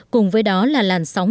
cùng với đó là làn sóng